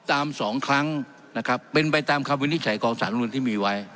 สองครั้งนะครับเป็นไปตามคำวินิจฉัยของสารมนุนที่มีไว้